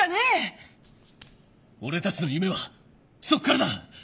俺たちの夢はそっからだ。